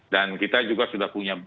dan kita juga sudah punya